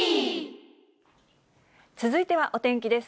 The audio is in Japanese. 続いてはお天気です。